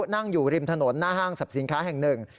นั่งอยู่ริมถนนหน้าห้างสรรพสินค้าแห่งหนึ่ง